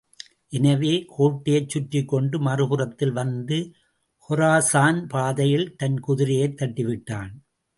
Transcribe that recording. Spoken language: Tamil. எனவே கோட்டையைச் சுற்றிக் கொண்டு மறுபுறத்திலே வந்து கொரசான் பாதையில் தன் குதிரையைத் தட்டிவிட்டான்.